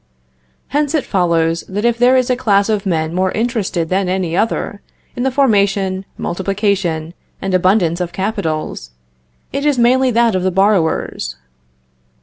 Hence it follows, that if there is a class of men more interested than any other, in the formation, multiplication, and abundance of capitals, it is mainly that of the borrowers.